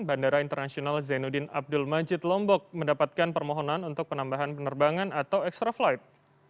bandara internasional zainuddin abdul majid lombok mendapatkan permohonan untuk penambahan penerbangan atau extra flight